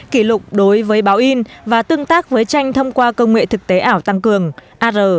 kỷ lục đối với báo in và tương tác với tranh thông qua công nghệ thực tế ảo tăng cường ar